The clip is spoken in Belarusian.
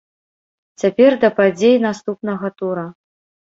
Цяпер да падзей наступнага тура.